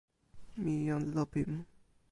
mi jan Lopin.